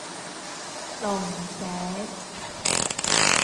龍井